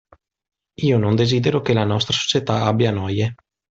Io non desidero che la nostra Società abbia noie.